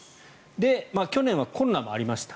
で、去年はコロナもありました。